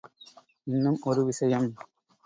இன்னும் ஒரு விஷயம்.